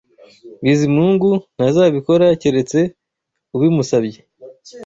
Bizimungu ntazabikora keretse ubimusabye.